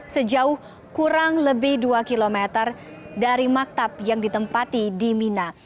sejauh kurang lebih dua km dari maktab yang ditempati di mina